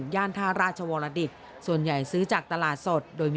ย่านท่าราชวรดิตส่วนใหญ่ซื้อจากตลาดสดโดยมี